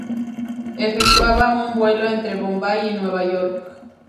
Efectuaba un vuelo entre Bombay y Nueva York.